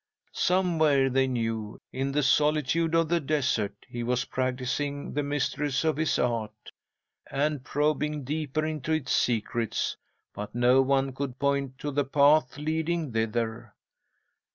Somewhere, they knew, in the solitude of the desert, he was practising the mysteries of his art, and probing deeper into its secrets, but no one could point to the path leading thither.